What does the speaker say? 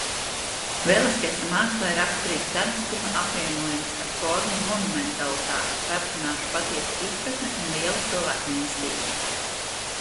Velaskesa mākslai raksturīgs dabiskuma apvienojums ar formu monumentalitāti, personāžu patiesa izpratne un liela cilvēkmīlestība.